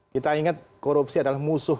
kita ingat korupsi adalah musuh